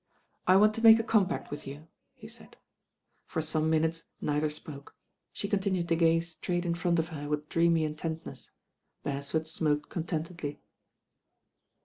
"I want to make a compact with you," he said. l*or some nainutes neither spoke; she continued to gaze straight in front of her with dreamy intentness. lieresford smoked contentedly.